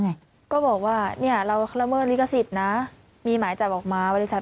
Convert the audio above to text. ไงก็บอกว่าเนี่ยเราละเมิดลิขสิทธิ์นะมีหมายจับออกมาบริษัท